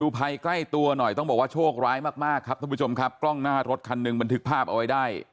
ภัยใกล้ตัวหน่อยต้องบอกว่าโชคร้ายมากมากครับท่านผู้ชมครับกล้องหน้ารถคันหนึ่งบันทึกภาพเอาไว้ได้